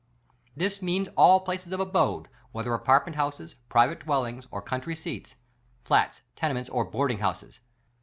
This means all places of abode, whether apartm.ent houses, pri\'ate dwellings or countr}' seats ; flats, tenements or boarding houses.